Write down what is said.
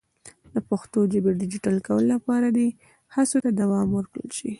د پښتو ژبې د ډیجیټل کولو لپاره دې هڅو ته دوام ورکړل شي.